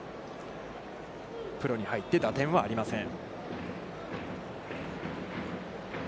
プロに入っての打点はありません。